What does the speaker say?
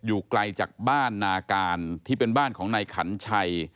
อยู่ไกลจากบ้านนาการที่เป็นบ้านของนายขันชัย